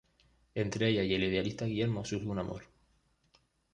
Entre ella y el idealista Guillermo surge un amor.